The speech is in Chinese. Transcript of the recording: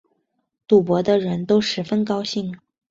赌博的人都十分高兴